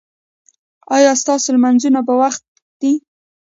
ایا ستاسو لمونځونه په وخت دي؟